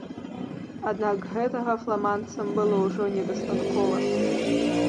Аднак гэтага фламандцам было ўжо не дастаткова.